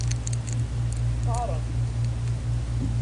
Qarren-d.